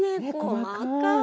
細かい。